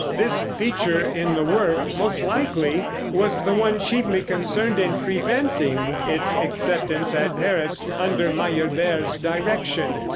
This feature in the work, most likely, was the one chiefly concerned in preventing its acceptance at Paris under Meyerbeer's direction.